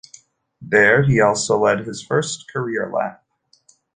There, he also led his first career lap.